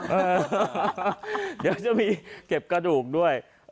เดี๋ยวจะมีเก็บกระดูกด้วย